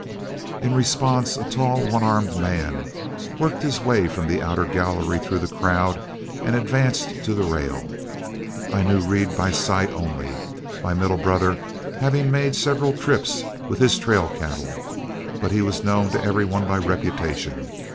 In response, a tall, one armed man worked his way from the outer gallery through the crowd and advanced to the rail. I knew Reed by sight only, my middle brother having made several trips with his trail cattle, but he was known to every one by reputation.